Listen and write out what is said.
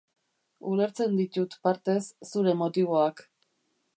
Ulertzen ditut, partez, zure motiboak.